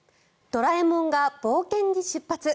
「ドラえもん」が冒険に出発。